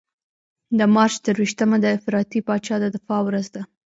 د مارچ درویشتمه د افراطي پاچا د دفاع ورځ ده.